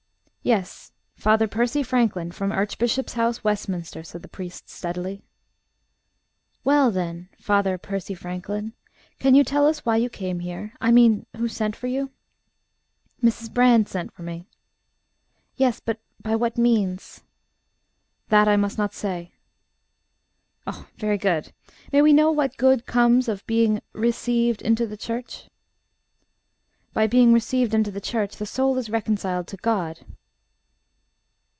"Yes. Father Percy Franklin, from Archbishop's House, Westminster," said the priest steadily. "Well, then, Father Percy Franklin; can you tell us why you came here? I mean, who sent for you?" "Mrs. Brand sent for me." "Yes, but by what means?" "That I must not say." "Oh, very good.... May we know what good comes of being 'received into the Church?'" "By being received into the Church, the soul is reconciled to God."